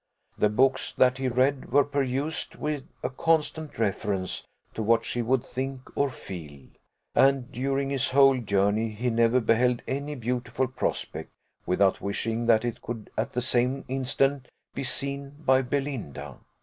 The books that he read were perused with a constant reference to what she would think or feel; and during his whole journey he never beheld any beautiful prospect, without wishing that it could at the same instant be seen by Belinda.